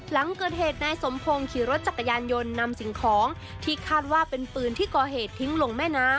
หลังเกิดเหตุนายสมพงศ์ขี่รถจักรยานยนต์นำสิ่งของที่คาดว่าเป็นปืนที่ก่อเหตุทิ้งลงแม่น้ำ